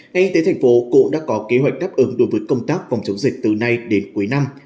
ngay tới tp hcm cộ đã có kế hoạch đáp ứng đối với công tác phòng chống dịch từ nay đến cuối năm